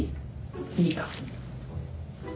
いいかも。